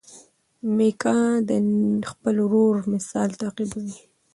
میکا د خپل ورور مثال تعقیبوي.